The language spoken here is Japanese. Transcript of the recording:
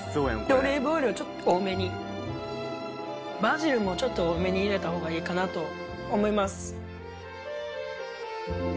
オリーブオイルをちょっと多めにバジルもちょっと多めに入れた方がいいかなと思います。